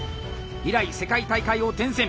以来世界大会を転戦！